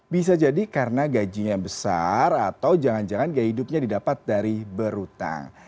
bisa jadi karena gajinya besar atau jangan jangan gaya hidupnya didapat dari berhutang